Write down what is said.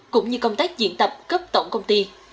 cũng như công tác diễn tập cấp tổng công ty